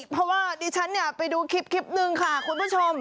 เพราะว่าดิฉันเนี่ยไปดูคลิปหนึ่งค่ะคุณผู้ชม